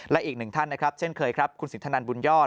และอีกหนึ่งท่านนะครับเช่นเคยครับคุณสินทนันบุญยอด